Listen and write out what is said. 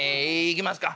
いきますか。